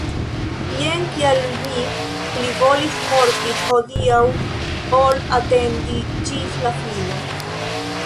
Jen kial mi plivolis morti hodiaŭ ol atendi ĝis la fino.